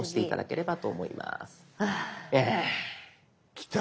きた！